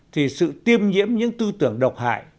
thì sự tiêm nhiễm những tư tưởng độc hại